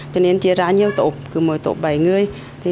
cho nên chia ra nhiều tổ cứ mỗi tổ bảy người